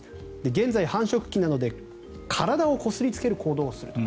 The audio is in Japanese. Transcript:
現在繁殖期なので体をこすりつける行動をすると。